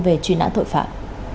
về truy nãn thội phạm